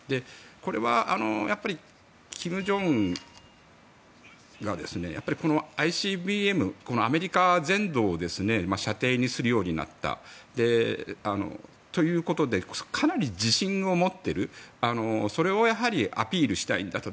これは金正恩がこのＩＣＢＭ、アメリカ全土を射程にするようになったということでかなり自信を持っているそれをアピールしたいんだと。